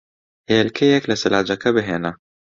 هێلکەیەک لە سەلاجەکە بھێنە.